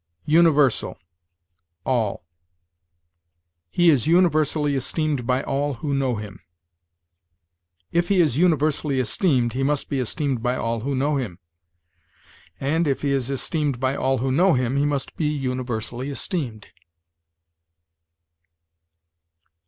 UNIVERSAL ALL. "He is universally esteemed by all who know him." If he is universally esteemed, he must be esteemed by all who know him; and, if he is esteemed by all who know him, he must be universally esteemed.